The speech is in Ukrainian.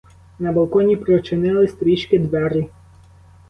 На балконі прочинились трішки двері.